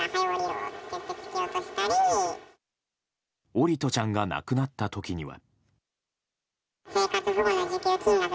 桜利斗ちゃんが亡くなった時には。